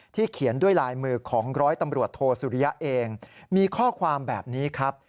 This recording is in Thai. เขียนด้วยลายมือของร้อยตำรวจโทสุริยะเองมีข้อความแบบนี้ครับ